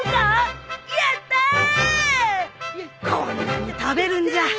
こんなに食べるんじゃ